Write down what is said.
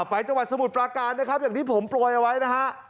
ไปสมุดประการนะครับอย่างที่ผมปล่อยไว้นะฮะ